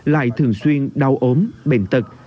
lại thường xuyên đau ốm bệnh tật